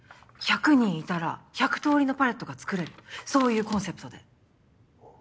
１００人いたら１００通りのパレットが作れるそういうコンセプトで。